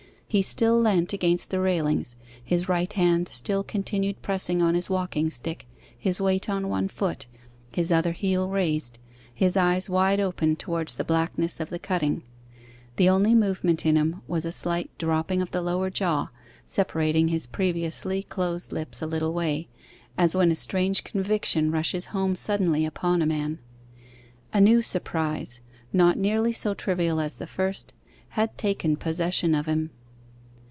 He still leant against the railings, his right hand still continued pressing on his walking stick, his weight on one foot, his other heel raised, his eyes wide open towards the blackness of the cutting. The only movement in him was a slight dropping of the lower jaw, separating his previously closed lips a little way, as when a strange conviction rushes home suddenly upon a man. A new surprise, not nearly so trivial as the first, had taken possession of him.